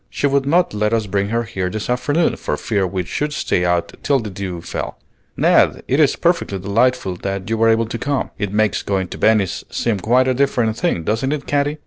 She would not let us bring her here this afternoon, for fear we should stay out till the dew fell. Ned, it is perfectly delightful that you were able to come. It makes going to Venice seem quite a different thing, doesn't it, Katy?"